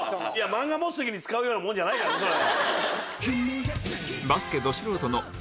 漫画持つ時に使うようなもんじゃないからねそれ。